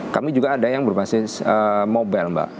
kami juga ada yang berbasis mobile mbak